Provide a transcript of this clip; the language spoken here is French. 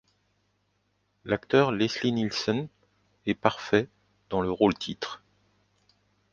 L'acteur Leslie Nielsen est parfait dans le rôle-titre.